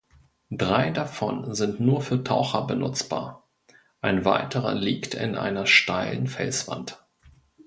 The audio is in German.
Drei davon sind nur für Taucher benutzbar, ein weiterer liegt in einer steilen Felswand.